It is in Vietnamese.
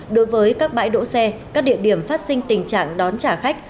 đối với các bãi đỗ xe các địa điểm phát sinh tình trạng đón trả khách